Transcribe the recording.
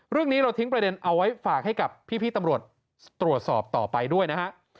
เรื่องนี้เราทิ้งประเด็นเอาไว้ฝากให้กับพี่ตำรวจตรวจสอบต่อไปด้วยนะฮะ